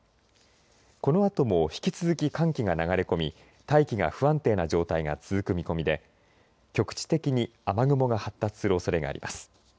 このあとも引き続き寒気が流れ込み大気が不安定な状態が続く見込みで局地的に雨雲が発達するおそれがあります。